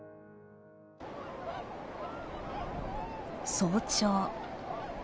早朝。